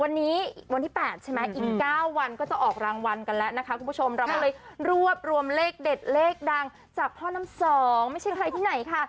วันนี้วันที่๘ใช่ไหมอีก๙วันก็จะออกรางวัลกันแล้วนะคะคุณผู้ชมเราก็เลยรวบรวมเลขเด็ดเลขดังจากพ่อน้ำสองไม่ใช่ใครที่ไหนค่ะ